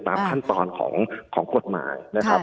ตามขั้นตอนของกฎหมายนะครับ